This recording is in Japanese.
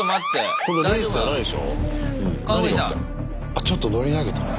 あっちょっと乗り上げたの？